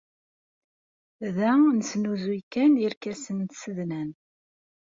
Da nesnuzuy kan irkasen n tsednan.